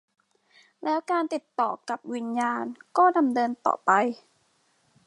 แล้วการติดต่อกับวิญญานก็ดำเนินต่อไป